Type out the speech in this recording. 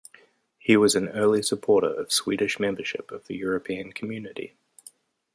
He was an early supporter of Swedish membership of the European Community.